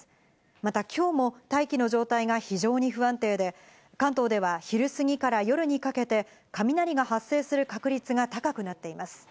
またきょうも大気の状態が非常に不安定で、関東では昼すぎから夜にかけて雷が発生する確率が高くなっています。